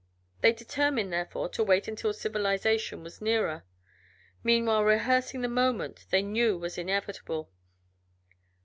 They determined, therefore, to wait until civilization was nearer, meanwhile rehearsing the moment they knew was inevitable.